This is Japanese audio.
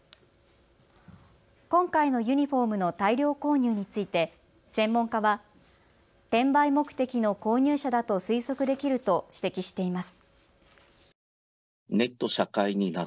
今回のユニフォームの大量購入について専門家は転売目的の購入者だと推測できると指摘しています。